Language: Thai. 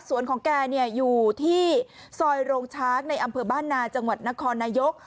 ส่วนของแกอยู่ที่ซอยโรงช้างในอำเภอบ้านนาจังหวัดนครนายก